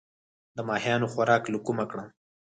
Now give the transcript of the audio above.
د ماهیانو خوراک له کومه کړم؟